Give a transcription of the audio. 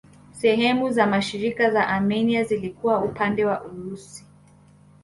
Sehemu za mashariki za Armenia zilikuwa upande wa Urusi.